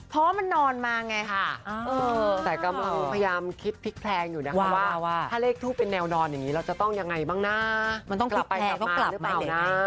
เพราะว่ามันนอนมาไงค่ะแต่กำลังพยายามคิดพลิกแพลงอยู่นะคะว่าถ้าเลขทูปเป็นแนวนอนอย่างนี้เราจะต้องยังไงบ้างนะมันต้องกลับไปไงต้องกลับหรือเปล่านะ